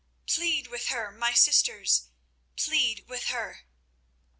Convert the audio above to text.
Plead with her, my sisters—plead with her!"